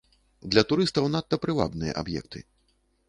Для турыстаў надта прывабныя аб'екты.